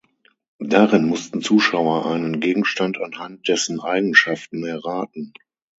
Darin mussten Zuschauer einen Gegenstand anhand dessen Eigenschaften erraten.